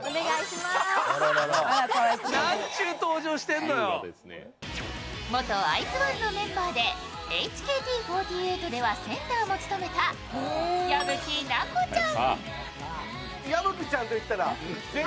まずは元ＩＺ＊ＯＮＥのメンバーでＨＫＴ４８ではセンターも務めた矢吹奈子ちゃん。